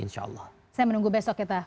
insya allah saya menunggu besok kita